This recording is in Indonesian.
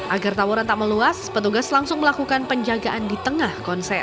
agar tawaran tak meluas petugas langsung melakukan penjagaan di tengah konser